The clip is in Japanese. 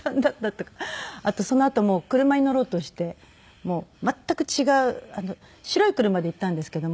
あとそのあとも車に乗ろうとして全く違う白い車で行ったんですけども。